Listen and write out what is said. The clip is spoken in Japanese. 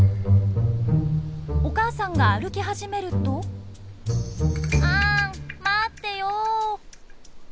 お母さんが歩き始めると「あん待ってよ」。